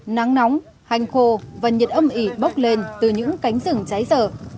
nắng nóng hành khô và nhiệt âm ỉ bốc lên từ những cánh rừng cháy dở